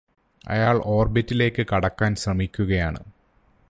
അയാള് ഓര്ബിറ്റിലേയ്ക് കടക്കാന് ശ്രമിക്കുകയാണ്